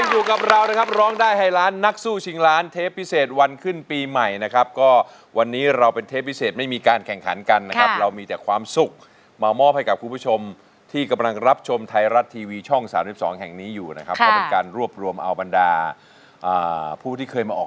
เดี๋ยวช่วงหน้ามาพบกับนักร้องหญิงของเราบ้างครับ